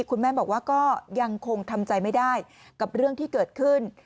คุณแม่บอกว่าก็ยังคงทำใจไม่ได้กับเรื่องที่เกิดขึ้น